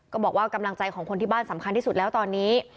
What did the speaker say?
บอกว่ากำลังใจของคนที่บ้านสำคัญที่สุดแล้วตอนนี้